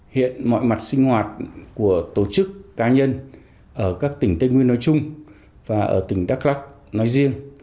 hiện mọi mặt sinh hoạt của tổ chức cá nhân ở các tỉnh tây nguyên nói chung và ở tỉnh đắk lắc nói riêng